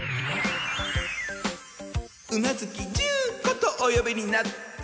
宇奈月十子とおよびになって。